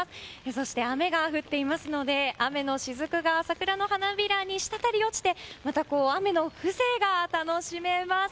そして、雨が降っていますので雨のしずくが桜の花びらに滴り落ちて雨の風情が楽しめます。